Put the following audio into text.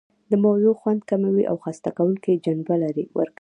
د موضوع خوند کموي او خسته کوونکې جنبه ورکوي.